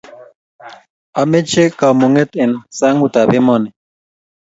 ameche kamung'et eng' sang'utab emoni.